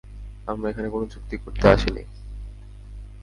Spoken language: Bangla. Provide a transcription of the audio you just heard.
আমরা এখানে কোনো চুক্তি করতে আসিনি।